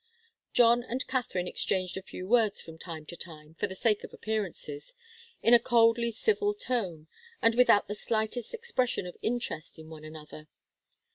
John and Katharine exchanged a few words from time to time, for the sake of appearances, in a coldly civil tone, and without the slightest expression of interest in one another.